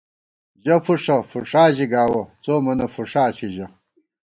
ژَہ فُوݭہ، فُوݭا ژِی گاوَہ، څو مونہ فُوݭا ݪی ژَہ